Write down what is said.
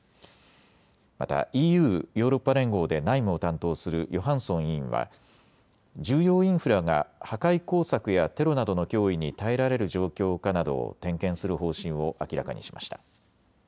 またＥＵ・ヨーロッパ連合で内務を担当するヨハンソン委員は重要インフラが破壊工作やテロなどの脅威に耐えられる状況かなどを点検する方針を明らかにしました。